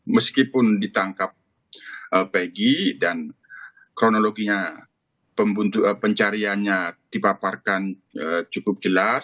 meskipun ditangkap peggy dan kronologinya pencariannya dipaparkan cukup jelas